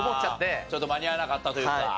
ちょっと間に合わなかったというか。